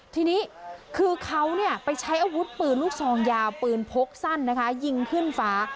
ทีนี้คือเขาไปใช้อาวุธปืนลูกซองยาวปืนพกสั้นนะคะยิงขึ้นฟ้า